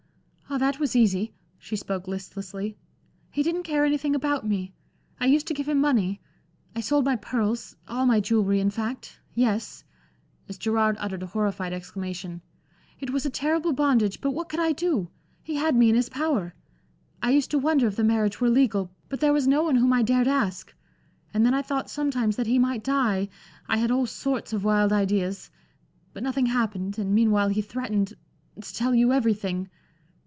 "Ah, that was easy." She spoke listlessly. "He didn't care anything about me; I used to give him money. I sold my pearls all my jewelry, in fact. Yes" as Gerard uttered a horrified exclamation "it was a terrible bondage, but what could I do? He had me in his power. I used to wonder if the marriage were legal, but there was no one whom I dared ask. And then I thought sometimes that he might die I had all sorts of wild ideas; but nothing happened, and meanwhile he threatened to tell you everything.